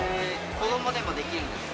◆子供でもできるんですか。